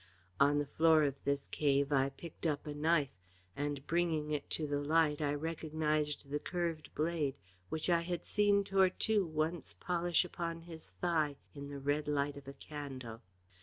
On the floor of this cave I picked up a knife, and, bringing it to the light, I recognised the carved blade, which I had seen Tortue once polish upon his thigh in the red light of a candle.